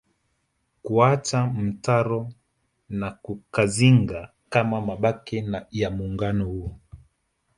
Kuacha mtaro wa Kazinga kama mabaki ya muungano huo